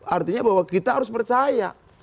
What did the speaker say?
artinya bahwa kita harus percaya